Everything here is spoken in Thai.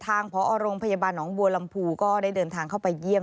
ทางพอโรงพยาบาลหนองบัวลำพูก็ได้เดินทางเข้าไปเยี่ยม